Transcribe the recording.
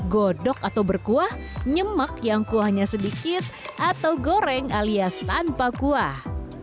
godok atau berkuah nyemak yang kuahnya sedikit atau goreng alias tanpa kuah